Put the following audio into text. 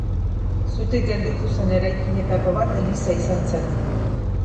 Zutik gelditu zen eraikinetako bat eliza izan zen.